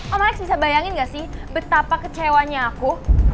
om alex bisa bayangin gak sih betapa kecewanya aku